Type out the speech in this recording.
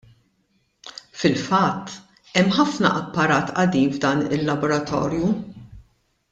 Fil-fatt hemm ħafna apparat qadim f'dan il-laboratorju.